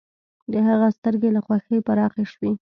د هغه سترګې له خوښۍ پراخې شوې